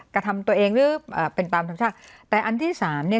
กระทำตัวเองหรือเป็นตามธรรมชาติแต่อันที่สามเนี่ย